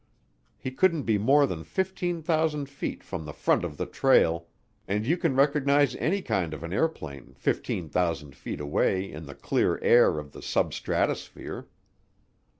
He couldn't be more than 15,000 feet from the front of the trail, and you can recognize any kind of an airplane 15,000 feet away in the clear air of the substratosphere.